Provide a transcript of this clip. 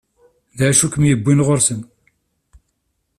D acu i kem-yewwin ɣur-sen?